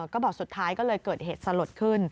ก็บอกสุดท้ายก็เลยเกิดเหตุสลดขึ้น